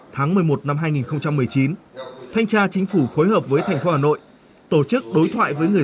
tháng một mươi một năm hai nghìn một mươi chín thanh tra chính phủ khối hợp với thành phố hà nội